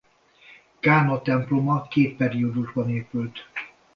Kána temploma két periódusban épült.